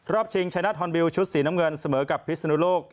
รอบชิงชัยนาธิ์ฮอนบิวชุดสีน้ำเงินเสมอกับพิศนุโลก